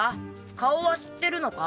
顔は知ってるのか？